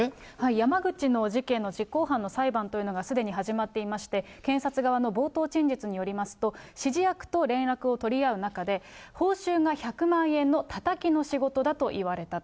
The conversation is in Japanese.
山口の事件の実行犯の裁判というのがすでに始まっていまして、検察側の冒頭陳述によりますと、指示役と連絡を取り合う仲で、報酬が１００万円のタタキの仕事だと言われたと。